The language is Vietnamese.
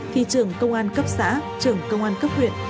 thì trưởng công an cấp xã trưởng công an cấp huyện